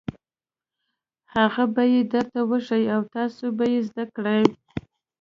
هغه به یې درته وښيي او تاسو به یې زده کړئ.